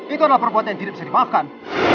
itu adalah perbuatan yang tidak bisa dimaafkan